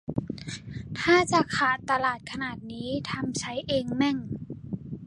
ถ้าจะขาดตลาดขนาดนี้ ทำใช้เองแม่ง